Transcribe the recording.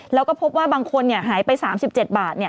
แล้วก็พบว่าบางคนหายไป๓๗บาท